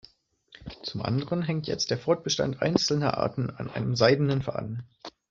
Zum anderen hängt jetzt der Fortbestand einzelner Arten an einem seidenen Faden.